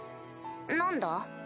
何だ？